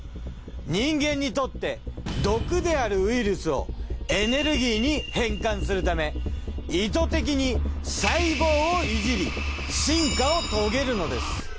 人間にとって毒であるウイルスをエネルギーに変換するため意図的に細胞をいじり進化を遂げるのです。